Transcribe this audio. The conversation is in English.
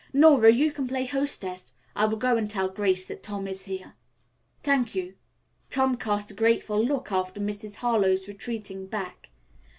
"Nora, you can play hostess. I will go and tell Grace that Tom is here." "Thank you." Tom cast a grateful look after Mrs. Harlowe's retreating back.